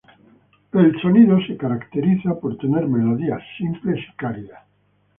El sonido está caracterizado por tener melodías simples y cálidas.